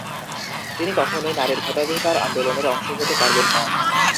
তিনি কখনোই নারীর ভোটাধিকার আন্দোলনের অংশ হতে পারবেন না।